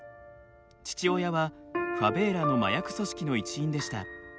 父親はファベーラの麻薬組織の一員でした。